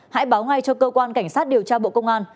hãy báo ngay cho cơ quan cảnh sát điều tra bộ công an